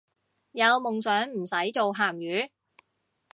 有夢想唔使做鹹魚